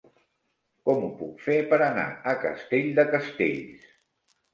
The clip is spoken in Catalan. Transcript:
Com ho puc fer per anar a Castell de Castells?